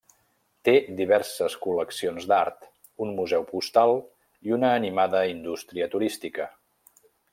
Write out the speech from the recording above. Té diverses col·leccions d'art, un museu postal i una animada indústria turística.